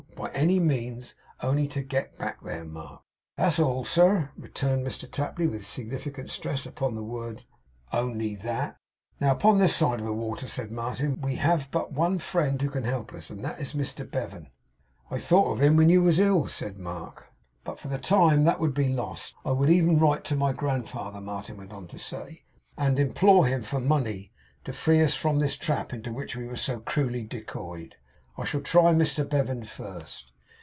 by any means! only to get back there, Mark.' 'That's all, sir,' returned Mr Tapley, with a significant stress upon the words; 'only that!' 'Now, upon this side of the water,' said Martin, 'we have but one friend who can help us, and that is Mr Bevan.' 'I thought of him when you was ill,' said Mark. 'But for the time that would be lost, I would even write to my grandfather,' Martin went on to say, 'and implore him for money to free us from this trap into which we were so cruelly decoyed. Shall I try Mr Bevan first?